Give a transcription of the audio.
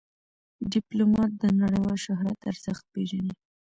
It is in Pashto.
ډيپلومات د نړیوال شهرت ارزښت پېژني.